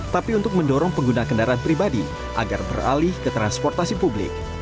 tapi untuk mendorong pengguna kendaraan pribadi agar beralih ke transportasi publik